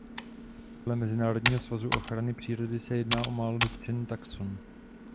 Podle Mezinárodního svazu ochrany přírody se jedná o málo dotčený taxon.